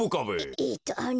ええっとあの。